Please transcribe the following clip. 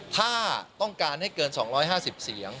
ถ้าต้องการให้เกิน๒๕๐เสียง